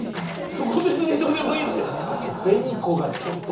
そこ別にどうでもいいっすよ。